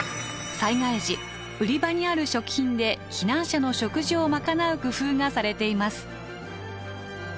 災害時売り場にある食品で避難者の食事をまかなう工夫がされています。